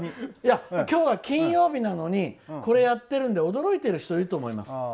今日は金曜日なのにこれやっているので驚いてる人もいると思います。